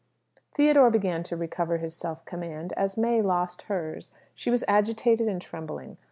Theodore began to recover his self command as May lost hers. She was agitated and trembling.